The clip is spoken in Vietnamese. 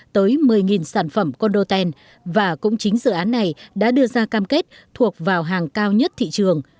tới một mươi sản phẩm condotel và cũng chính dự án này đã đưa ra cam kết thuộc vào hàng cao nhất thị trường